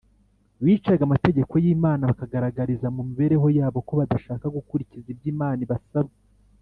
bicaga amategeko y’imana, bakagaragariza mu mibereho yabo ko badashaka gukurikiza ibyo imana ibasaba